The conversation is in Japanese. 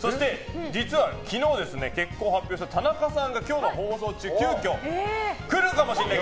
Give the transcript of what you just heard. そして実は昨日、結婚を発表した田中さんが今日の放送中急きょ来るかもしれない。